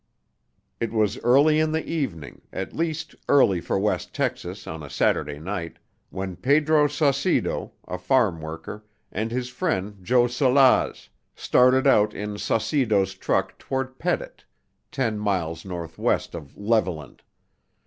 It was early in the evening, at least early for West Texas on a Saturday night, when Pedro Saucedo, a farm worker, and his friend Joe Salaz, started out in Saucedo's truck toward Pettit, ten miles northwest of Level land.